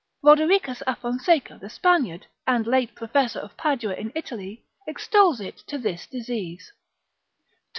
Rodericus a Fonseca the Spaniard, and late professor of Padua in Italy, extols it to this disease, Tom.